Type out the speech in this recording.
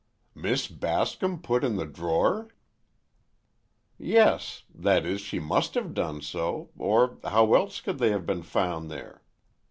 "Miss Bascom put in the drawer!" "Yes—that is, she must have done so, or—how else could they have been found there?